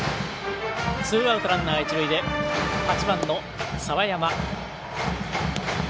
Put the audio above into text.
ツーアウトランナー、一塁で８番の澤山。